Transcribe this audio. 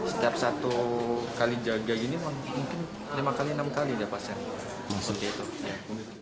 setiap satu kali jaga gini mungkin lima kali enam kali pasien masuk itu